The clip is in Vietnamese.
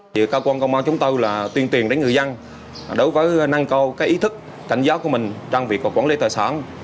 thì các quân công an chúng tôi tuyên tuyên đến người dân đối với năng cầu cái ý thức cảnh gió của mình trong việc quản lý tòa sản